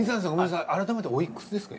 改めておいくつですか？